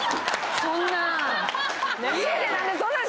そんなん。